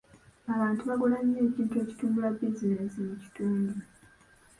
Abantu bagula nnyo ekintu ekitumbula bizinensi mu kitundu.